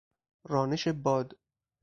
رانش باد